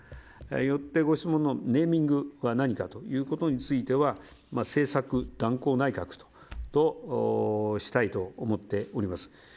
よって、ご質問のネーミングは何かということについては政策断行内閣としたいと思っております。